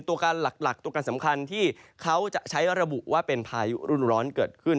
ตัวการหลักตัวการสำคัญที่เขาจะใช้ระบุว่าเป็นพายุรุ่นร้อนเกิดขึ้น